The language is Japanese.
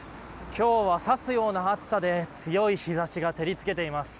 今日は刺すような暑さで強い日差しが照り付けています。